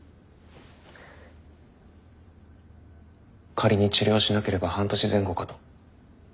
仮に治療しなければ半年前後かと。